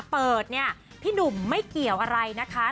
เปิดเนี่ยพี่หนุ่มไม่เกี่ยวอะไรนะคะ